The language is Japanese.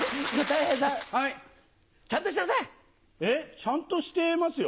ちゃんとしていますよ。